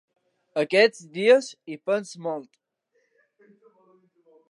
Aquests dies hi penso molt.